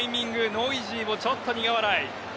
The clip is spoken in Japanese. ノイジーもちょっと苦笑い。